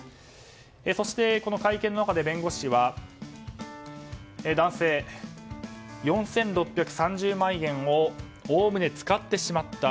そして会見の中で弁護士は男性、４６３０万円をおおむね使ってしまった。